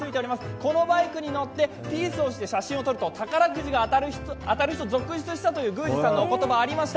このバイクに乗ってピースをして写真を撮ると宝くじが当たる人続出したという宮司さんのお言葉がありました。